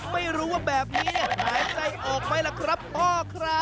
ไม่รู้ว่าแบบนี้หายใจออกไหมล่ะครับพ่อครับ